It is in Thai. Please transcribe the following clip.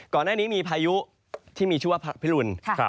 ก่อนหน้านี้มีพายุที่มีชื่อว่าพระพิรุณ